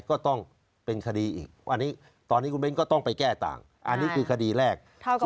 ก็ต้องเป็นคดีอีกอันนี้ตอนนี้คุณเบ้นก็ต้องไปแก้ต่างอันนี้คือคดีแรก